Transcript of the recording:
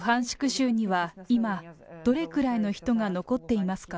州には今、どれくらいの人が残っていますか？